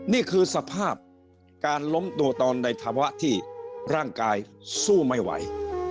นี่คือสภาพการล้มตัวตอนในภาวะที่ร่างกายสู้ไม่ไหว